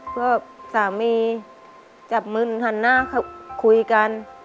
ก็สามีจับมึนหันหน้าคุยกัน